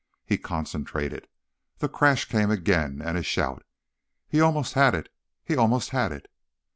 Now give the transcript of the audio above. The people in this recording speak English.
He concentrated. The crash came again, and a shout. He almost had it ... he almost had it....